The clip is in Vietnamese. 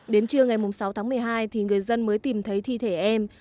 đến trưa ngày sáu tháng một mươi hai thì người dân mới tìm thấy thi thể em